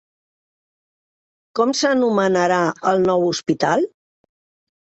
Com s'anomenarà el nou hospital?